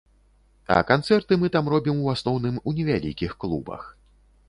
А канцэрты мы там робім у асноўным у невялікіх клубах.